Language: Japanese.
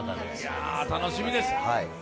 いや、楽しみです。